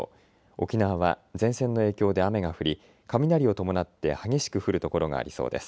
沖縄は前線の影響で雨が降り雷を伴って激しく降る所がありそうです。